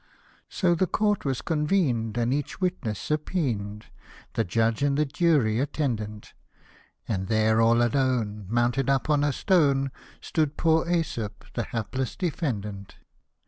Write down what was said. So the court was conven'd and each witness subpoen'd ; The judge and the jury attendant ; And there all alone, mounted up on a stone, Stood poor jEsop, the hapless defendant.